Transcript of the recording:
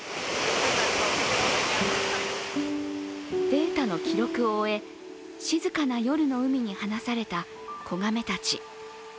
データの記録を終え、静かな夜の海に放された子ガメたち。